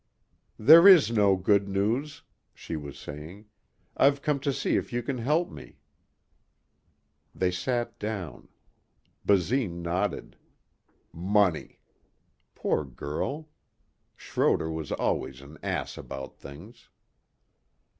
"There is no good news," she was saying. "I've come to see if you can help me." They sat down. Basine nodded. Money. Poor girl. Schroder was always an ass about things.